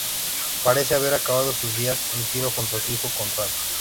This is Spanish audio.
Parece haber acabado sus días en Tiro, junto a su hijo Conrado.